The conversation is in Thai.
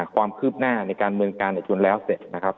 ความคืบหน้าในการเมืองการจนแล้วเสร็จนะครับ